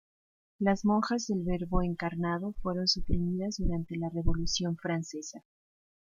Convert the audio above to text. Las monjas del Verbo Encarnado fueron suprimidas durante la Revolución francesa.